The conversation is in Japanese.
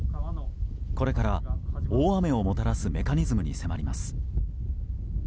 これから大雨をもたらすメカニズムに迫ります。